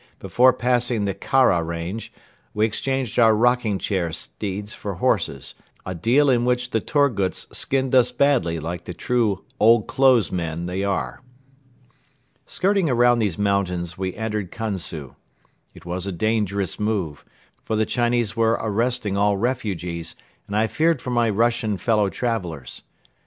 Before passing the Khara range, we exchanged our rocking chair steeds for horses, a deal in which the Torguts skinned us badly like the true "old clothes men" they are. Skirting around these mountains we entered Kansu. It was a dangerous move, for the Chinese were arresting all refugees and I feared for my Russian fellow travelers.